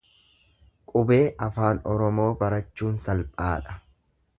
Qubee Afaan Oromoo barachuun salphaadha.